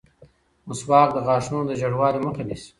مسواک د غاښونو د ژېړوالي مخه نیسي.